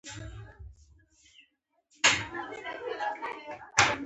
آیا فور جي خدمتونه شته؟